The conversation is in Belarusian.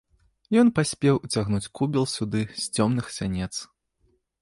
Ён паспеў уцягнуць кубел сюды з цёмных сянец.